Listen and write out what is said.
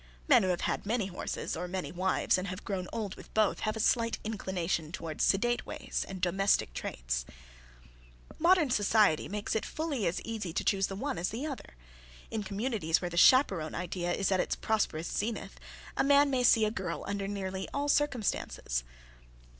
Men who have had many horses or many wives and have grown old with both, have a slight inclination toward sedate ways and domestic traits. [Sidenote: The "Woman's Column"] Modern society makes it fully as easy to choose the one as the other. In communities where the chaperone idea is at its prosperous zenith, a man may see a girl under nearly all circumstances.